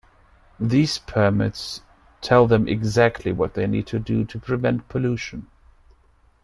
These permits tell them exactly what they need to do to prevent pollution.